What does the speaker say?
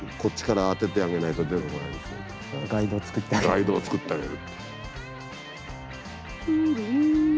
ガイドを作ってあげる。